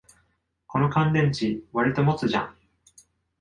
この乾電池、わりと持つじゃん